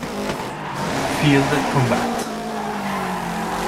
Field Combat